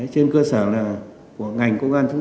trên cơ sở của ngành công an